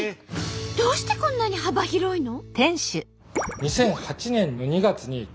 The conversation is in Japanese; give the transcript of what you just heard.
どうしてこんなに幅広いの？